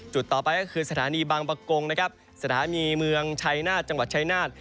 ต่อไปก็คือสถานีบางประกงนะครับสถานีเมืองชัยนาฏจังหวัดชายนาฏ